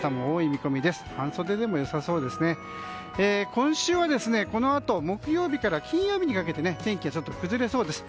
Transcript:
今週は、このあと木曜日から金曜日にかけて天気が崩れそうです。